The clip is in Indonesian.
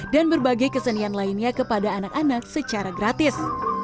dan berbagai kesenian lainnya kepada anak anak secara gratis